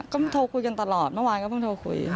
ก็โทรคุยกันตลอดเมื่อวานก็เพิ่งโทรคุยค่ะ